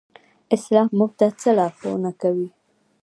اسلام موږ ته څه لارښوونه کوي؟